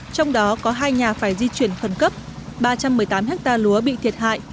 trong đó có hai nhà phải di chuyển phần cấp ba trăm một mươi tám ha lúa bị thiệt hại